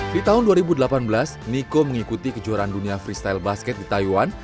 di tahun dua ribu delapan belas niko mengikuti kejuaraan dunia freestyle basket di taiwan